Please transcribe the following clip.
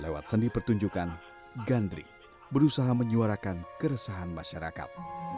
lewat seni pertunjukan gandri berusaha menyuarakan keresahan masyarakat